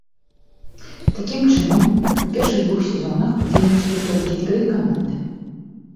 Такім чынам, у першых двух сезонах удзельнічалі толькі тры каманды.